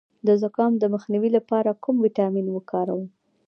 د زکام د مخنیوي لپاره کوم ویټامین وکاروم؟